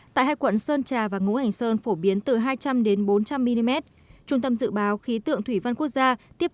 tại hai quận sơn trà và ngũ hành sơn phổ biến từ hai trăm linh bốn trăm linh mm